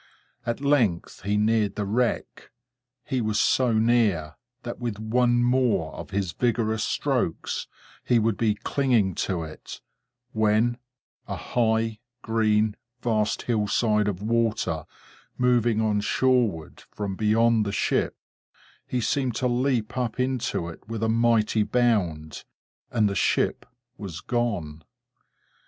At length he neared the wreck. He was so near, that with one more of his vigorous strokes he would be clinging to it,—when, a high, green, vast hillside of water, moving on shoreward, from beyond the ship, he seemed to leap up into it with a mighty bound, and the ship was gone!